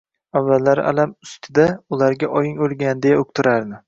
Avvallari alam ustida ularga oying o`lgan, deya uqtirardi